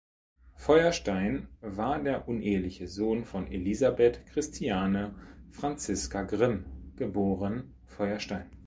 Feuerstein war der uneheliche Sohn von Elisabeth Christiane Franziska Grimm (geboren Feuerstein).